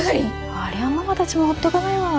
ありゃママたちもほっとかないわ。